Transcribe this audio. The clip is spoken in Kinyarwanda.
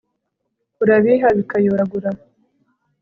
urabiha bikayoragura